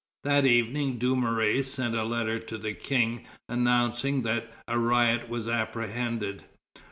That evening Dumouriez sent a letter to the King announcing that a riot was apprehended.